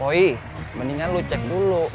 ohi mendingan lu cek dulu